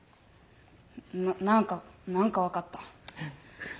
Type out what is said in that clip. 「な何か何か分かった」。